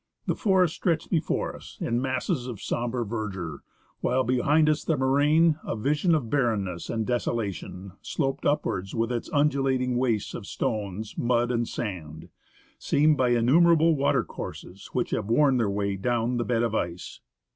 The forest stretched before us in masses of sombre verdure, while behind us the moraine — a vision of barren ness and desolation — sloped upwards with its undulating waste of stones, mud, and sand, seamed by innumerable water courses which have worn their way down the bed of ice.